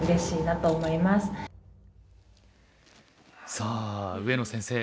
さあ上野先生